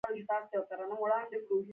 منفي لوري راکاږي.